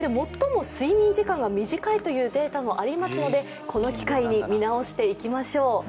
実は日本人は世界で最も睡眠時間が短いというデータがありますので、この機会に見直していきましょう。